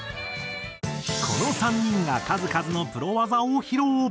この３人が数々のプロ技を披露。